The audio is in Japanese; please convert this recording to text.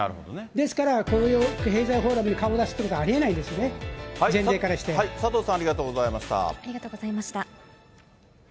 ですから、この経済フォーラムに顔を出すということはありえないんですよね、佐藤さん、ありがとうございありがとうございました。